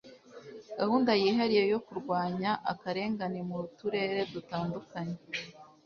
gahunda yihariye yo kurwanya akarengane mu turere dutandukanye